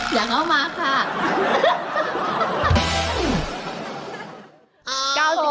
อย่างเอามากค่า